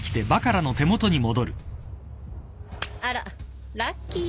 あらラッキー。